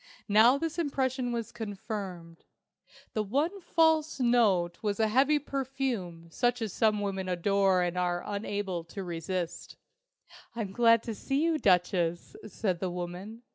Now this impression was confirmed. The one false note was a heavy perfume such as some women adore and are unable to resist. "I'm glad to see you, Duchess," said the woman.